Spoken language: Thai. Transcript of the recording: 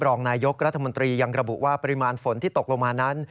รองนายยกรัฐมนตรียังระบุว่าปริมาณฝนที่ตกลงมานั้น